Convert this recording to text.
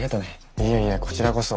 いえいえこちらこそ。